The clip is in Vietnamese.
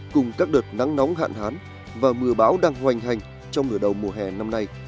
cùng các đợt nắng nóng hạn hán và mưa bão đang hoành hành trong nửa đầu mùa hè năm nay